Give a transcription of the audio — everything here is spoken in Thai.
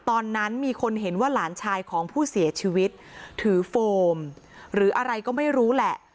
ตอนนั้นมีคนเห็นว่าหลานชายของผู้เสียชีวิตถือโฟมหรืออะไรก็ไม่รู้แหละ